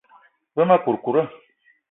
Ve ma kourkoura.